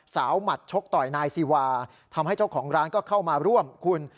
หมัดชกต่อยนายซีวาทำให้เจ้าของร้านก็เข้ามาร่วมคุณ